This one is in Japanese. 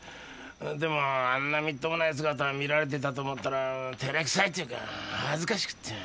でもあんなみっともない姿見られてたと思ったら照れくさいっていうか恥ずかしくって。